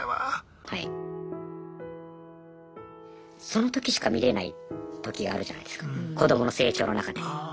その時しか見れない時があるじゃないですか子どもの成長の中で。